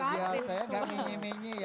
luar biasa ya enggak menye menye ya